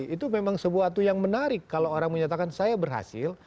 itu memang sebuah tuh yang menarik kalau orang menyatakan saya berhasil